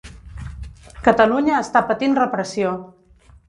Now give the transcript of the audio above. Catalunya està patint repressió.